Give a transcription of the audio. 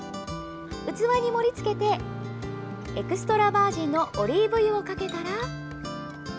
器に盛りつけてエクストラバージンのオリーブ油をかけたら。